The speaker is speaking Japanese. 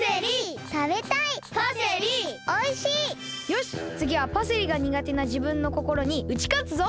よしつぎはパセリがにがてなじぶんのこころにうちかつぞ！